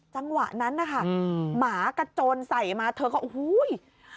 จังหวะนั้นนะคะหมากระโจนใส่มาเธอก็โอ้โห